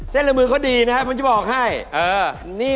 ละมือเขาดีนะครับผมจะบอกให้